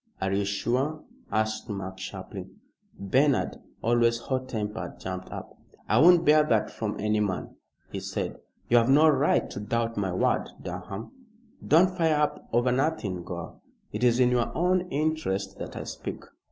"Are you sure?" asked Mark, sharply. Bernard, always hot tempered, jumped up. "I won't bear that from any man," he said. "You have no right to doubt my word, Durham." "Don't fire up over nothing, Gore. It is in your own interest that I speak.